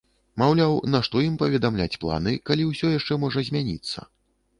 Маўляў, нашто ім паведамляць планы, калі ўсё яшчэ можа змяніцца?